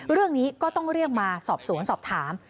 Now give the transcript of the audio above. เรื่องนี้ก็ต้องเรียกมาสอบสวนสอบถาม